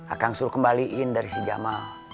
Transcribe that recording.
akang suruh kembaliin dari si jamal